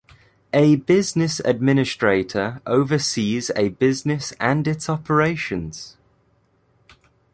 A business administrator oversees a business and its operations.